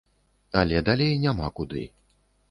Але далей няма куды.